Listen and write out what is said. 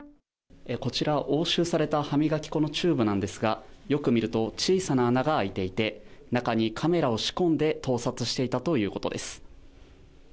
こちら、押収された歯磨き粉のチューブなんですが、よく見ると、小さな穴が開いていて、中にカメラを仕込んで盗撮していたということです。